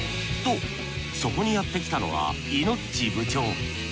とそこにやってきたのはイノッチ部長。